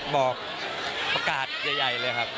บอกประกาศใหญ่เลยครับ